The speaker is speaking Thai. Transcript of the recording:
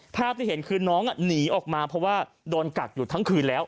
ภาพที่เห็นคือน้องหนีออกมาเพราะว่าโดนกักอยู่ทั้งคืนแล้ว